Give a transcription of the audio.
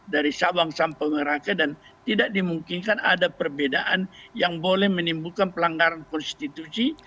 dari sabang sampai merake dan tidak dimungkinkan ada perbedaan yang boleh menimbulkan pelanggaran konstitusi